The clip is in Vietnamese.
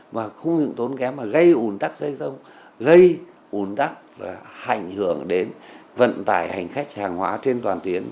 và không những tốn kém mà gây ủn tắc dây dông gây ủn tắc và hành hưởng đến vận tải hành khách hàng hóa trên toàn tiến